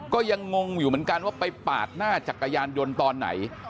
ก็ยังงงอยู่เหมือนกันว่าไปปาดหน้าจักรยานยนต์ตอนไหน